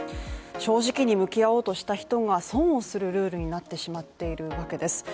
正直に向き合おうとした人が損をするルールになってしまっているわけです。